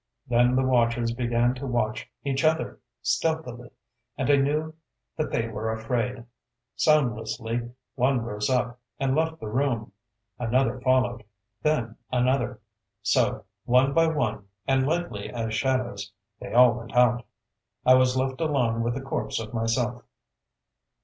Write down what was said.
Then the watchers began to watch each other, stealthily; and I knew that they were afraid. Soundlessly one rose up, and left the room. Another followed; then another. So, one by one, and lightly as shadows, they all went out. I was left alone with the corpse of myself.